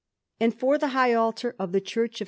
And for the high altar of the Church of S.